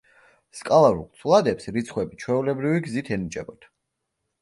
სკალარულ ცვლადებს რიცხვები ჩვეულებრივი გზით ენიჭებათ.